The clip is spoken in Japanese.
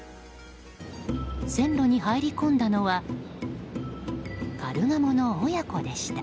線路に入り込んだのはカルガモの親子でした。